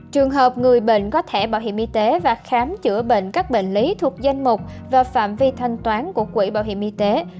trường hợp người bệnh có thẻ bảo hiểm y tế và khám chữa bệnh các bệnh lý thuộc danh mục và phạm vi thanh toán của quỹ bảo hiểm y tế